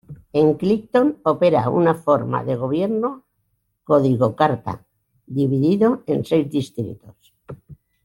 En Clinton opera una forma de gobierno Código Carta, dividido en seis distritos.